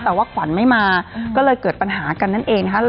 แต่ว่าขวัญไม่มาก็เลยเกิดปัญหากันนั่นเองนะคะ